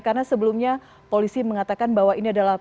karena sebelumnya polisi mengatakan bahwa ini adalah